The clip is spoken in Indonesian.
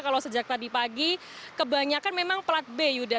kalau sejak tadi pagi kebanyakan memang pelat b yuda